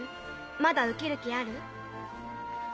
まだ受ける気ある？